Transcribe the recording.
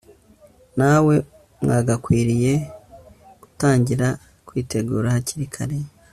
nawe mwagakwiye gutangira kwitegura hakiri kare